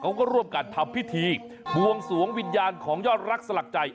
เขาก็ร่วมกันทำพิธีบวงสวงวิญญาณของยอดรักสลักใจ